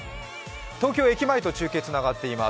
東京駅前と中継つながっています。